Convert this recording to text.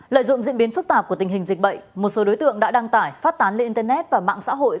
lợi dụng diễn biến phức tạp của tình hình dịch bệnh một số đối tượng đã đăng tải phát tán lên internet và mạng xã hội